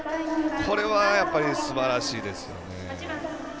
これはやっぱりすばらしいですね。